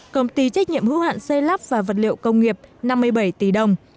công ty trách nhiệm hữu hạn xây lắp và vật liệu công nghiệp năm mươi bảy tỷ đồng